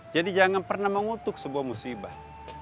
jadi jangan pernah mengutuk sebuah musibah